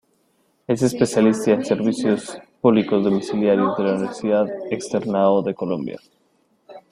Es especialista en Servicios Públicos Domiciliarios de la Universidad Externado de Colombia.